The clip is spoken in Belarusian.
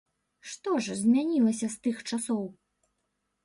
Што ж змянілася з тых часоў?